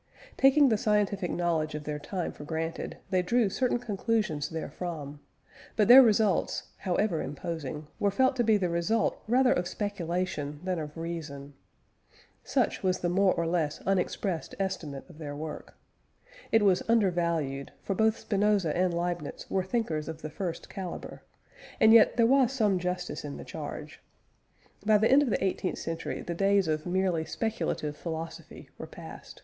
Taking the scientific knowledge of their time for granted, they drew certain conclusions therefrom; but their results, however imposing, were felt to be the result rather of speculation than of reason. Such was the more or less unexpressed estimate of their work. It was undervalued, for both Spinoza and Leibniz were thinkers of the first calibre; and yet there was some justice in the charge. By the end of the eighteenth century the days of merely speculative philosophy were past.